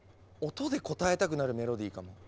音でこたえたくなるメロディーかも。